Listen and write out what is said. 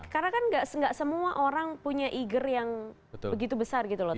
karena kan tidak semua orang punya eager yang begitu besar gitu loh tau